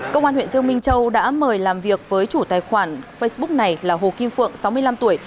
công an huyện dương minh châu đã mời làm việc với chủ tài khoản facebook này là hồ kim phượng sáu mươi năm tuổi